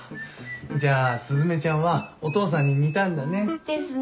じゃあ雀ちゃんはお父さんに似たんだね。ですね。